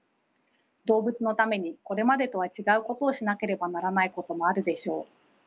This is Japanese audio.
動物のためにこれまでとは違うことをしなければならないこともあるでしょう。